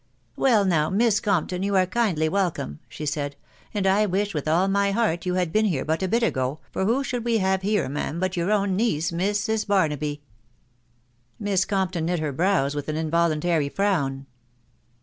" Well, now, Miss Compton, you are kindly welcome," she said; "and I wish with all my heart you had been here but a bit ago, for who should we haveheie, xrv^^cv^x&^wo. wsw niece, Mrs. Barnabv." 84 THE WIDOW BARNABY* Miss Com p ton knit her brows with an involuntary frown.